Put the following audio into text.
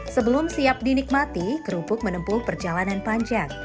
sebelum siap dinikmati kerupuk menempuh perjalanan panjang